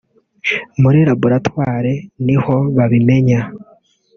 muri Laboratoire ni ho babimenya